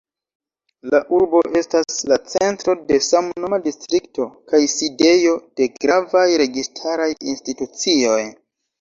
La urbo estas la centro de samnoma distrikto, kaj sidejo de gravaj registaraj institucioj.